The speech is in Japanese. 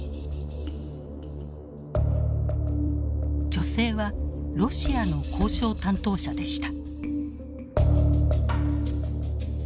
女性はロシアの交渉担当者でした。